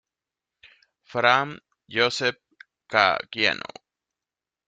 Frank Joseph Caggiano.